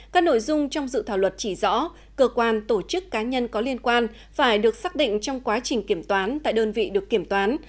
các nội dung trong dự thảo luật chỉ rõ cơ quan tổ chức cá nhân có liên quan phải được xác định trong quá trình kiểm toán tại đơn vị được kiểm toán